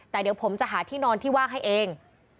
แต่เดี๋ยวผมจะหาที่นอนที่ว่างให้เอง